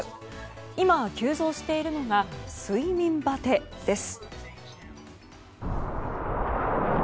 今、急増しているのが睡眠バテです。